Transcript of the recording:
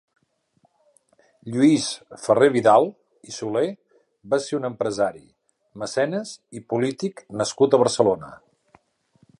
Lluís Ferrer-Vidal i Soler va ser un empresari, mecenes i polític nascut a Barcelona.